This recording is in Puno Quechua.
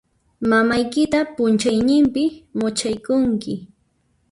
Mamaykita p'unchaynimpi much'aykunki.